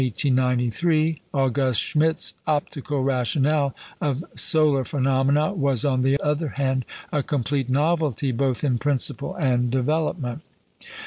August Schmidt's optical rationale of solar phenomena was, on the other hand, a complete novelty, both in principle and development.